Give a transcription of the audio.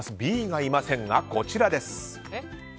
Ｂがいませんが、こちらです。